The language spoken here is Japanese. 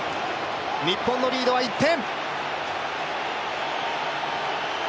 日本のリードは１点。